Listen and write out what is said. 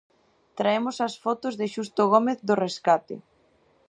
Traemos as fotos de Xusto Gómez do rescate.